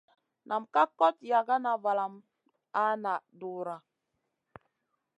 Nam ka kot yagana valam a na dura.